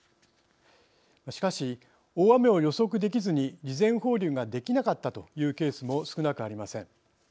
しかし大雨を予測できずに事前放流ができなかったというケースも少なくありません。